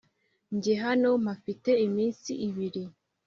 njye hano mpafite iminsi ibiri.